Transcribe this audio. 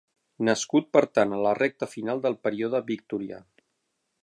Nascut, per tant, a la recta final del període victorià.